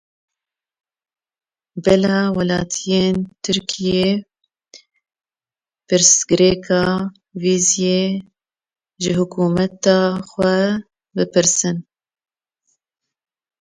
Bila welatiyên Tirkiyeyê pirsgirêka vîzeyê ji hikûmeta xwe bipirsin.